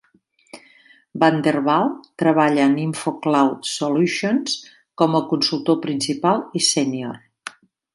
Vander Wal treballa en InfoCloud Solutions com a consultor principal i sènior.